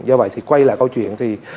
do vậy thì quay lại câu chuyện